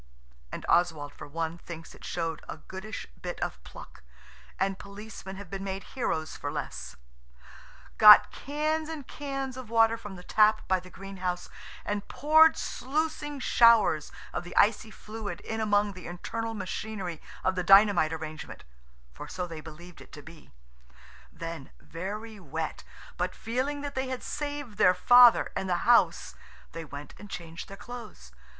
(and Oswald for one thinks it showed a goodish bit of pluck, and policemen have been made heroes for less) got cans and cans of water from the tap by the greenhouse and poured sluicing showers of the icy fluid in among the internal machinery of the dynamite arrangement–for so they believed it to be. Then, very wet, but feeling that they had saved their Father and the house, they went and changed their clothes.